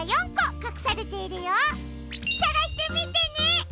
さがしてみてね！